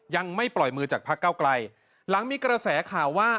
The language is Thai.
ยังไม่ปล่อยมือจากพักเก้าไกลหลังมีกระแสข่าวว่า